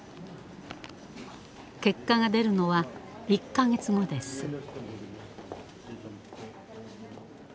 結果が出るのは１か月後です。